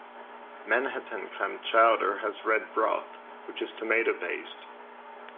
Manhattan clam chowder has red broth, which is tomato-based.